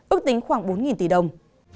ước tính khoảng bốn tỷ đồng